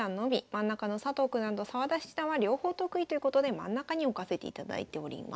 真ん中の佐藤九段と澤田七段は両方得意ということで真ん中に置かせていただいております。